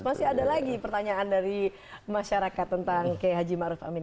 masih ada lagi pertanyaan dari masyarakat tentang k h maruf amin